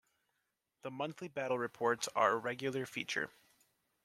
The monthly battle reports are a regular feature.